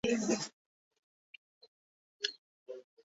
এই জেলার মানুষের মৌলিক পেশা কৃষি।